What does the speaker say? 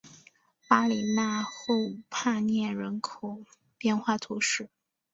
巴里讷后帕涅人口变化图示